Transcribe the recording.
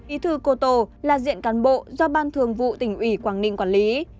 bí thư cô tô là diện cán bộ do ban thường vụ tỉnh ủy quảng ninh quản lý